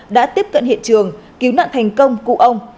đã tiếp cận hiện trường cứu nạn thành công cụ ông